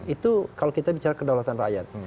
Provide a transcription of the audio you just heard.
itu kalau kita bicara kedaulatan rakyat